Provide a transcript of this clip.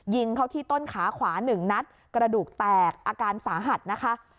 ยิงเข้าที่ต้นขาขวาหนึ่งนัดกระดูกแตกอาการสาหัสนะคะ